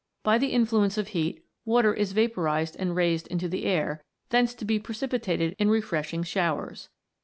By the influence of heat, water is vaporized and raised into the air, thence to be precipitated in re freshing showers.